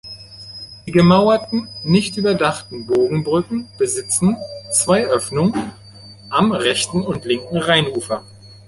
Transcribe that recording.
Die gemauerten, nicht überdachten Bogenbrücken besitzen zwei Öffnung am rechten und linken Rheinufer.